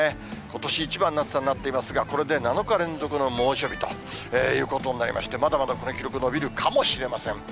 ことし一番の暑さになっていますが、これで７日連続の猛暑日ということになりまして、まだまだこの記録、伸びるかもしれません。